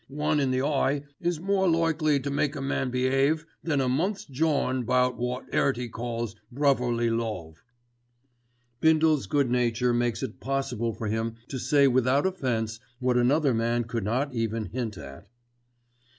One in the eye is more likely to make a man be'ave than a month's jawin' about wot 'Earty calls 'brotherly love.'" Bindle's good nature makes it possible for him to say without offence what another man could not even hint at.